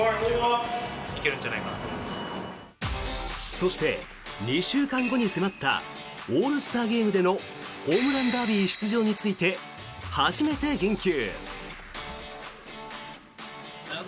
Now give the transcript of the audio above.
そして、２週間後に迫ったオールスターゲームでのホームランダービー出場について初めて言及。